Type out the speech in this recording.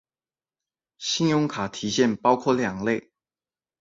信用卡提现包括两类。